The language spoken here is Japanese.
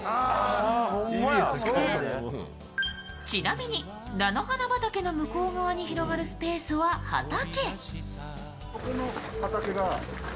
ちなみに名の花畑の向こう側に広がるスペースは畑。